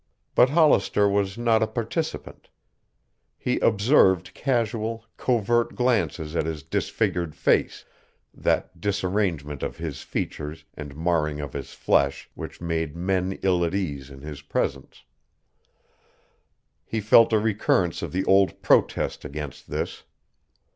But Hollister was not a participant. He observed casual, covert glances at his disfigured face, that disarrangement of his features and marring of his flesh which made men ill at ease in his presence. He felt a recurrence of the old protest against this.